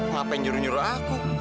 ngapain nyuruh nyuruh aku